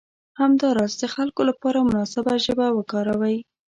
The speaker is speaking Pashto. همداراز د خلکو لپاره مناسبه ژبه وکاروئ.